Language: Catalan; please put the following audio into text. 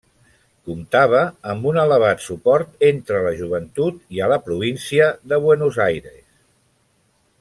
Comptava amb un elevat suport entre la joventut, i a la Província de Buenos Aires.